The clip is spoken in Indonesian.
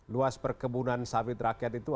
luas perkebunan sawit rakyat itu